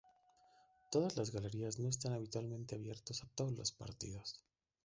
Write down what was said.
Todas las galerías no están habitualmente abiertos a todos los partidos.